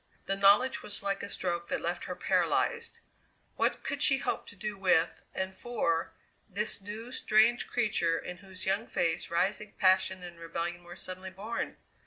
The knowledge was like a stroke that left her paralyzed. What could she hope to do with, and for, this new, strange creature in whose young face rising passion and rebellion were suddenly born?